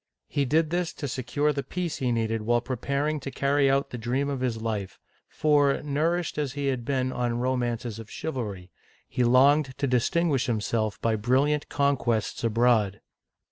He did this to secure the peace he needed while preparing to carry out the dream o. F. — 14 Digitized by Google 2l6 OLD FRANCE of his life ; for, nourished as he had been on romances of chivalry, he longed to distinguish himself by brilliant con quests abroad.